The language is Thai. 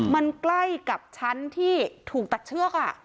มันใกล้กับชั้นที่ถูกตัดเชือก